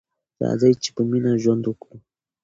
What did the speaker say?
راځئ چې په مینه ژوند وکړو.